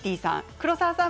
黒沢さん